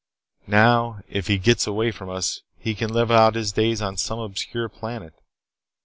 Now, if he gets away from us he can live out his days on some obscure planet.